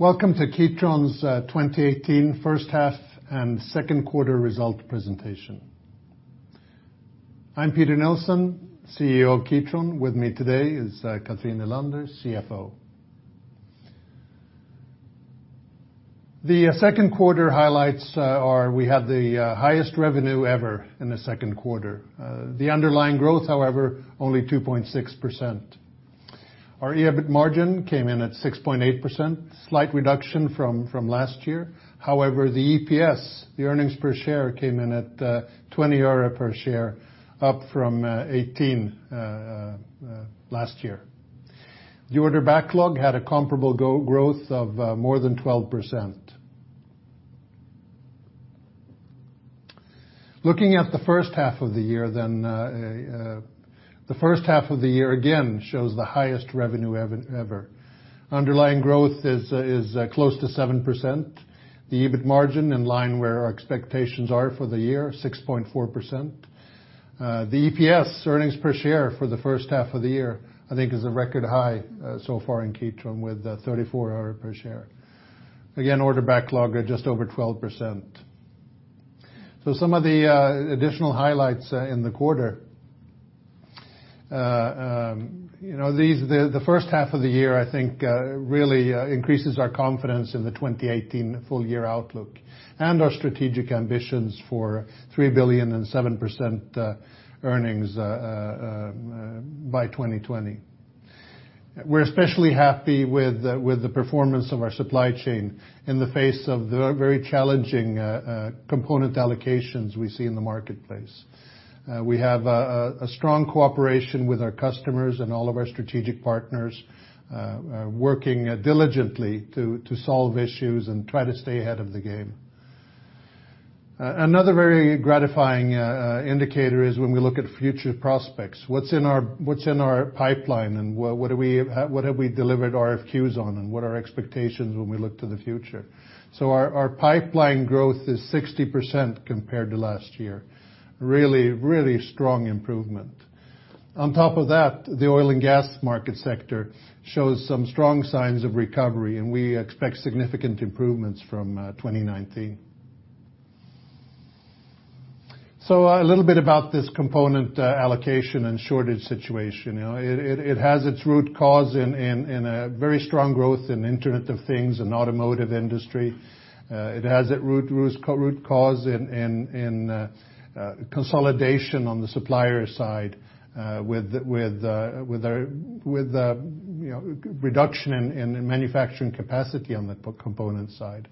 Welcome to Kitron's 2018 first half and Q2 result presentation. I'm Peter Nilsson, CEO of Kitron. With me today is Cathrin Nylander, CFO. The Q2 highlights are we have the highest revenue ever in the Q2. The underlying growth, however, only 2.6%. Our EBIT margin came in at 6.8%, slight reduction from last year. However, the EPS, the earnings per share, came in at NOK 0.20 per share, up from 0.18 last year. The order backlog had a comparable growth of more than 12%. Looking at the first half of the year then, the first half of the year again shows the highest revenue ever. Underlying growth is close to 7%. The EBIT margin in line where our expectations are for the year, 6.4%. The EPS, earnings per share, for the first half of the year, I think is a record high, so far in Kitron, with 0.34 per share. Again, order backlog at just over 12%. Some of the additional highlights in the quarter. You know, these, the first half of the year, I think, really increases our confidence in the 2018 full year outlook and our strategic ambitions for 3 billion and 7% earnings by 2020. We're especially happy with the performance of our supply chain in the face of the very challenging component allocations we see in the marketplace. We have a strong cooperation with our customers and all of our strategic partners, working diligently to solve issues and try to stay ahead of the game. Another very gratifying indicator is when we look at future prospects. What's in our pipeline, and what are we, what have we delivered RFQs on, and what are our expectations when we look to the future. Our pipeline growth is 60% compared to last year. Really strong improvement. On top of that, the oil and gas market sector shows some strong signs of recovery, and we expect significant improvements from 2019. A little bit about this component, allocation and shortage situation. You know, it has its root cause in a very strong growth in Internet of Things and automotive industry. It has its root cause in consolidation on the supplier side, with the, you know, reduction in manufacturing capacity on the component side,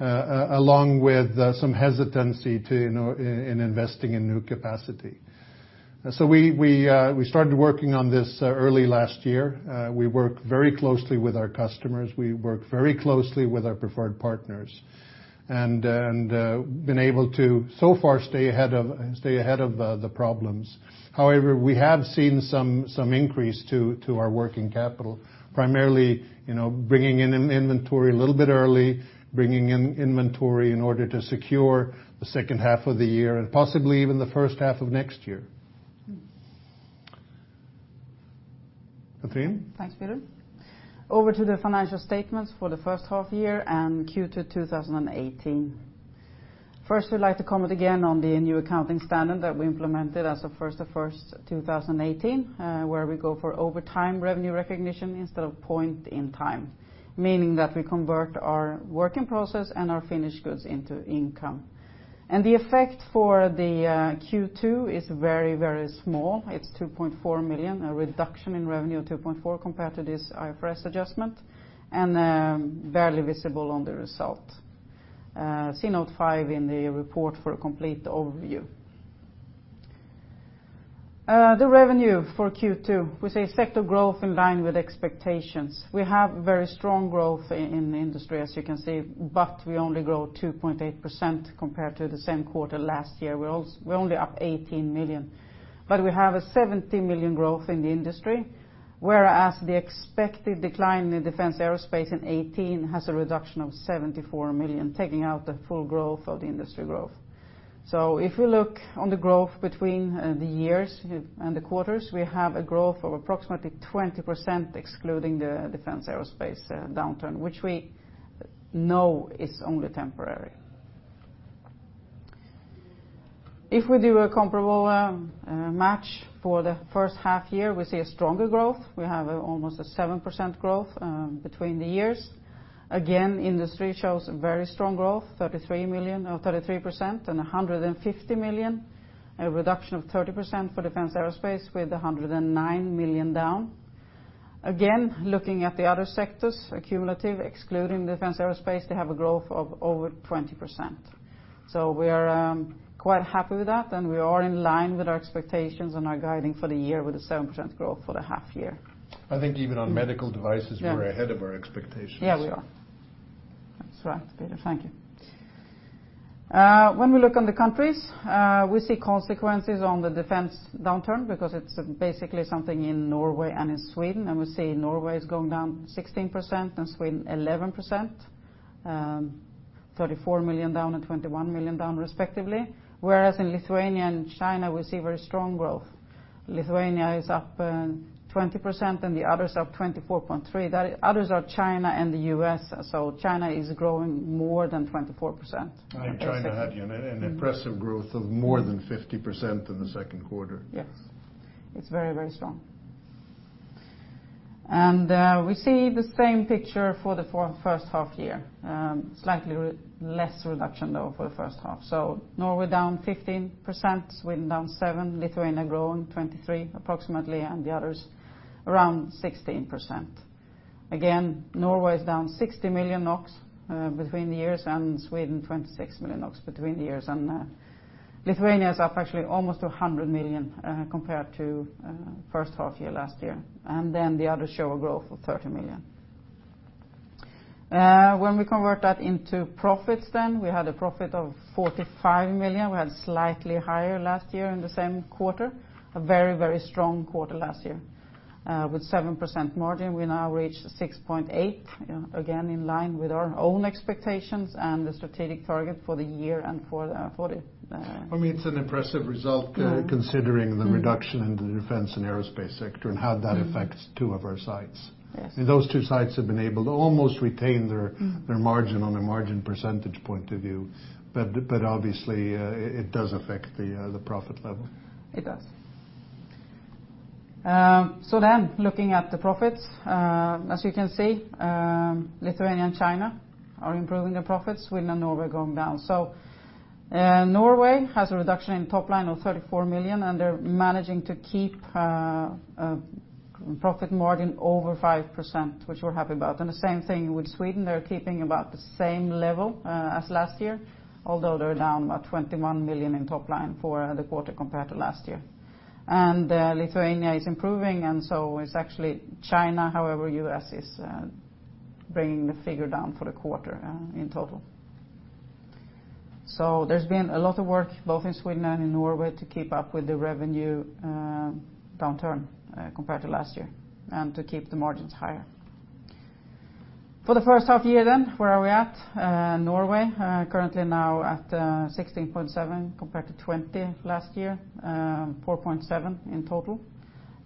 along with some hesitancy to, you know, in investing in new capacity. We started working on this early last year. We work very closely with our customers. We work very closely with our preferred partners, and been able to so far stay ahead of the problems. However, we have seen some increase to our working capital, primarily, you know, bringing in inventory a little bit early, bringing in inventory in order to secure the second half of the year and possibly even the first half of next year. Cathrin? Thanks, Peter. Over to the financial statements for the first half year and Q2 2018. First, we'd like to comment again on the new accounting standard that we implemented as of first of first, 2018, where we go for over time revenue recognition instead of point in time, meaning that we convert our working process and our finished goods into income. The effect for the Q2 is very, very small. It's 2.4 million, a reduction in revenue of 2.4 compared to this IFRS adjustment, and barely visible on the result. See Note 5 in the report for a complete overview. The revenue for Q2, we see a sector growth in line with expectations. We have very strong growth in the industry, as you can see, but we only grow 2.8% compared to the same quarter last year. We're only up 18 million. We have a 70 million growth in the industry, whereas the expected decline in Defense & Aerospace in 2018 has a reduction of 74 million, taking out the full growth of the industry growth. If you look on the growth between the years and the quarters, we have a growth of approximately 20% excluding the Defense & Aerospace downturn, which we know is only temporary. If we do a comparable match for the first half year, we see a stronger growth. We have almost a 7% growth between the years. Again, industry shows very strong growth, 33 million, or 33% and 150 million. A reduction of 30% for Defense & Aerospace with 109 million down. Again, looking at the other sectors, accumulative, excluding Defense & Aerospace, they have a growth of over 20%. We're quite happy with that, and we are in line with our expectations and our guiding for the year with a 7% growth for the half year. I think even on medical devices. Yeah. We're ahead of our expectations. Yeah, we are. That's right, Peter. Thank you. When we look on the countries, we see consequences on the defense downturn because it's basically something in Norway and in Sweden. We see Norway is going down 16% and Sweden 11%. 34 million down and 21 million down respectively. In Lithuania and China, we see very strong growth. Lithuania is up 20%. The others up 24.3%. The others are China and the U.S. China is growing more than 24%. China had, you know. Mm. an impressive growth of more than 50% in the Q2. Yes. It's very, very strong. We see the same picture for the first half year. Slightly less reduction though for the first half. Norway down 15%, Sweden down 7%, Lithuania growing 23 approximately, and the others around 16%. Norway is down 60 million NOK between the years, and Sweden 26 million NOK between the years. Lithuania is up actually almost 100 million compared to first half year last year. The others show a growth of 30 million. When we convert that into profits, we had a profit of 45 million. We had slightly higher last year in the same quarter. A very, very strong quarter last year with 7% margin. We now reach 6.8%, again in line with our own expectations and the strategic target for the year and for the. I mean, it's an impressive result. Mm. considering the reduction in the Defense and Aerospace sector and how that affects two of our sites. Yes. Those two sites have been able to almost retain their. Mm. their margin on a margin percentage point of view. Obviously, it does affect the profit level. It does. Looking at the profits, as you can see, Lithuania and China are improving their profits. Sweden and Norway are going down. Norway has a reduction in top line of 34 million, and they're managing to keep profit margin over 5%, which we're happy about. The same thing with Sweden, they're keeping about the same level as last year, although they're down about 21 million in top line for the quarter compared to last year. Lithuania is improving and so is actually China, however, U.S. is bringing the figure down for the quarter in total. There's been a lot of work both in Sweden and in Norway to keep up with the revenue downturn compared to last year and to keep the margins higher. For the first half year then, where are we at? Norway, currently now at 16.7% compared to 20% last year, 4.7% in total.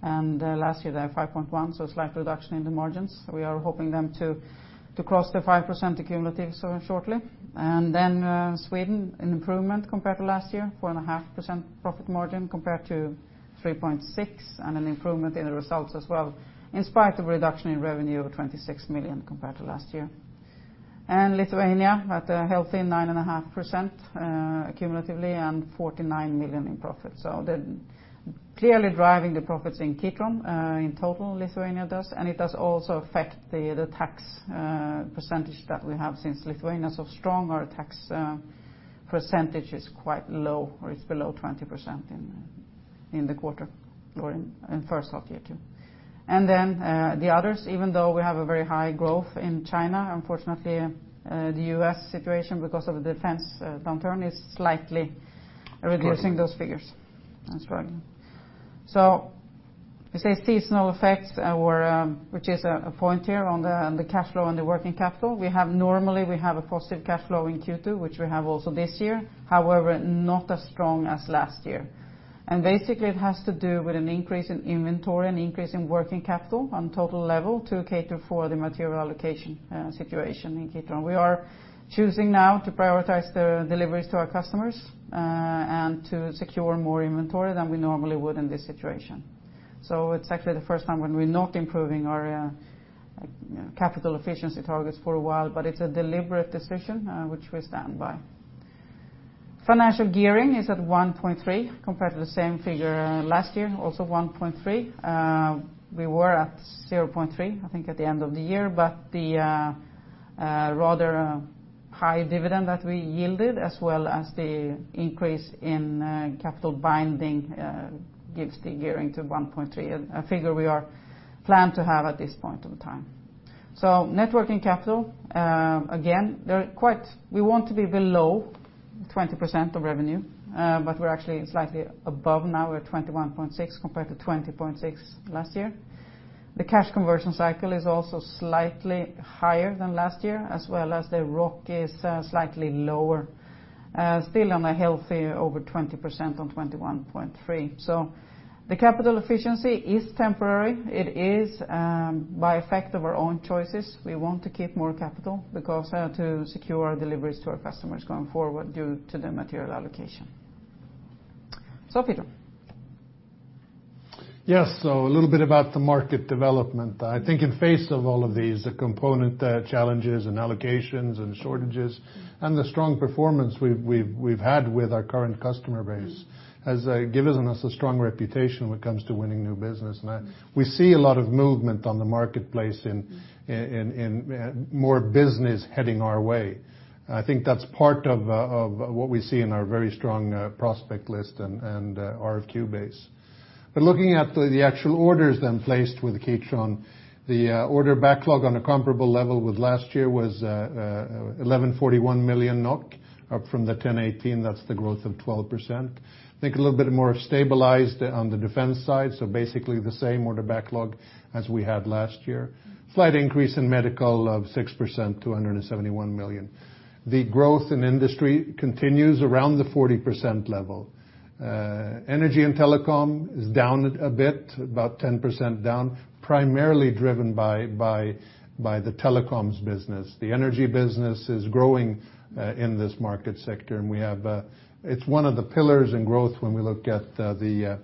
Last year, they had 5.1%, so a slight reduction in the margins. We are hoping them to cross the 5% accumulatives shortly. Sweden, an improvement compared to last year, 4.5% profit margin compared to 3.6%, and an improvement in the results as well, in spite of reduction in revenue of 26 million compared to last year. Lithuania at a healthy 9.5%, cumulatively and 49 million in profit. They're clearly driving the profits in Kitron, in total, Lithuania does. It does also affect the tax percentage that we have. Since Lithuania is so strong, our tax percentage is quite low, or it's below 20% in the quarter or in first half year too. The others, even though we have a very high growth in China, unfortunately, the U.S. situation because of the Defense downturn is slightly reducing those figures. Correct. That's right. You see a seasonal effect our, which is a point here on the cash flow and the working capital. Normally, we have a positive cash flow in Q2, which we have also this year. However, not as strong as last year. Basically, it has to do with an increase in inventory and increase in working capital on total level to cater for the material allocation situation in Kitron. We are choosing now to prioritize the deliveries to our customers and to secure more inventory than we normally would in this situation. It's actually the first time when we're not improving our capital efficiency targets for a while, but it's a deliberate decision which we stand by. Financial gearing is at 1.3% compared to the same figure last year, also 1.3%. We were at 0.3%, I think, at the end of the year. The rather high dividend that we yielded, as well as the increase in capital binding, gives the gearing to 1.3%, a figure we are planned to have at this point in time. Net working capital, again, we want to be below 20% of revenue, but we're actually slightly above now. We're at 21.6% compared to 20.6% last year. The cash conversion cycle is also slightly higher than last year, as well as the ROC is slightly lower. Still on a healthy over 20% on 21.3%. The capital efficiency is temporary. It is by effect of our own choices. We want to keep more capital because, to secure deliveries to our customers going forward due to the material allocation. Peter. A little bit about the market development. I think in face of all of these, the component challenges and allocations and shortages and the strong performance we've had with our current customer base has given us a strong reputation when it comes to winning new business. We see a lot of movement on the marketplace in more business heading our way. I think that's part of what we see in our very strong prospect list and RFQ base. Looking at the actual orders then placed with Kitron, the order backlog on a comparable level with last year was 11.41 million NOK up from 10.18 million NOK. That's the growth of 12%. I think a little bit more stabilized on the Defense side. Basically the same order backlog as we had last year. Slight increase in medical of 6% to 171 million. The growth in industry continues around the 40% level. Energy and telecom is down a bit, about 10% down, primarily driven by the telecoms business. The energy business is growing in this market sector, and we have, it's one of the pillars in growth when we look at the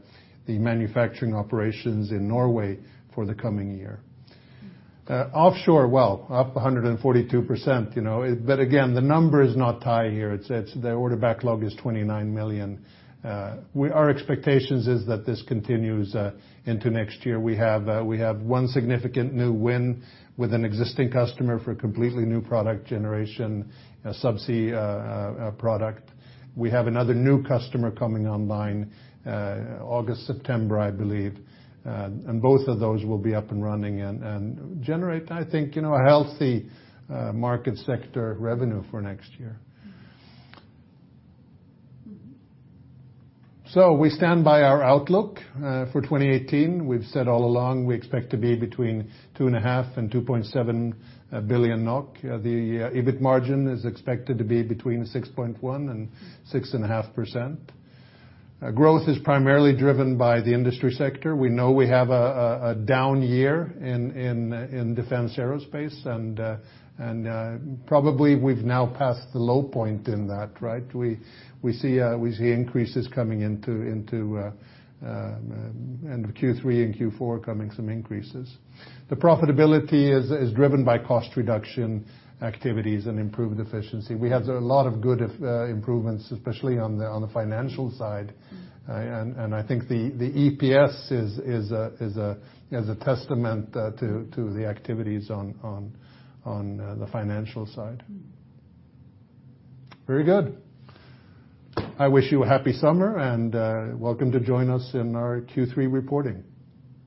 manufacturing operations in Norway for the coming year. Offshore, well, up 142%, you know, but again, the number is not high here, it's the order backlog is 29 million. Our expectations is that this continues into next year. We have one significant new win with an existing customer for a completely new product generation, a subsea product. We have another new customer coming online August, September, I believe. And both of those will be up and running and generate, I think, you know, a healthy market sector revenue for next year. We stand by our outlook for 2018. We've said all along we expect to be between 2.5 and 2.7 billion NOK. The EBIT margin is expected to be between 6.1% and 6.5%. Growth is primarily driven by the industry sector. We know we have a down year in Defense & Aerospace and probably we've now passed the low point in that, right? We see increases coming into end of Q3 and Q4 coming some increases. The profitability is driven by cost reduction activities and improved efficiency. We have a lot of good improvements, especially on the financial side. I think the EPS is a testament to the activities on the financial side. Very good. I wish you a happy summer, welcome to join us in our Q3 reporting.